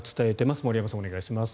森山さん、お願いします。